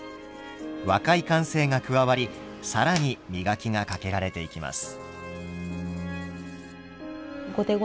若い感性が加わり更に磨きがかけられていきます。